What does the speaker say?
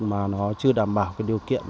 mà nó chưa đảm bảo điều kiện